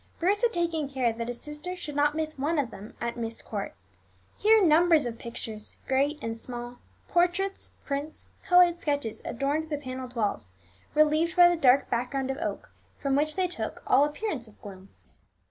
Bruce had taken care that his sister should not miss one of them at Myst Court. Here numbers of pictures, great and small, portraits, prints, coloured sketches, adorned the panelled walls, relieved by the dark background of oak, from which they took all appearance of gloom.